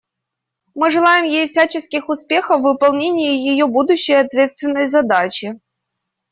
Мы желаем ей всяческих успехов в выполнении ее будущей ответственной задачи.